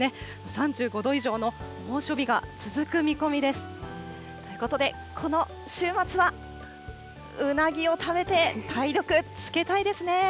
３５度以上の猛暑日が続く見込みです。ということで、この週末はうなぎを食べて体力つけたいですね。